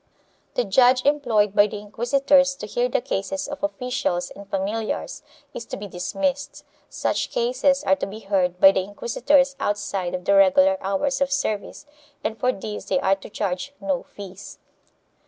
The judge employed by the inquisitors to hear the cases of officials and familiars is to be dismissed; such cases are to be heard by the inquisitors outside of the Tegular hours of service and for this they are to charge no fees.